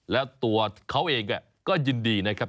แล้วตัวเขาเองก็ยินดีนะครับ